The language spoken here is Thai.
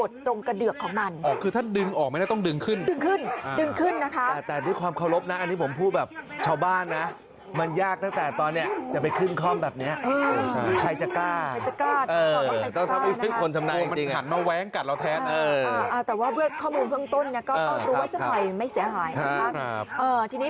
ตรงกระเดือกของมันอ๋อคือถ้าดึงออกไม่ได้ต้องดึงขึ้นดึงขึ้นดึงขึ้นนะคะแต่ด้วยความเคารพนะอันนี้ผมพูดแบบชาวบ้านนะมันยากตั้งแต่ตอนเนี้ยจะไปขึ้นข้อมแบบเนี้ยเออใช่ใครจะกล้าใครจะกล้าถ้าบอกว่าใครจะกล้านะฮะมันหันมาแว้งกัดเราแท้เอออ่าแต่ว่าด้วยข้อมูลเพิ่งต้นเนี้ยก็ต้องรู้ว่าสมัยไม่